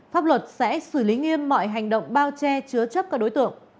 pháp luật sẽ xử lý nghiêm mọi hành động bao che chứa chấp các đối tượng